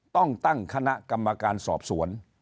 ต้องตั้งคณะกรรมการสอบสวน